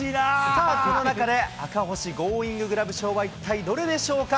さあ、この中で赤星ゴーインググラブ賞は一体どれでしょうか？